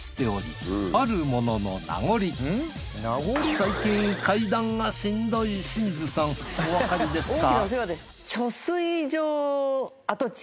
最近階段がしんどい清水さんおわかりですか？